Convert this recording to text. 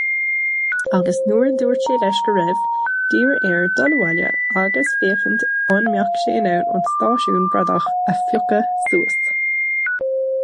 Agus nuair a dúirt sé leis go raibh, d'iarr air dul abhaile agus féachaint an mbeadh sé in ann an stáisiún bradach a phiocadh suas.